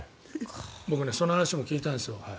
僕、その話も聞いたんですよ。